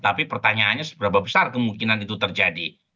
tapi pertanyaannya seberapa besar kemungkinan itu terjadi